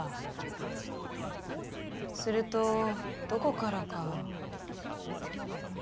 するとどこからか。